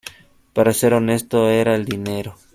Para ser honesto, era el dinero.